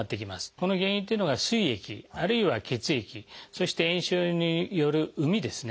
この原因っていうのがすい液あるいは血液そして炎症による膿ですね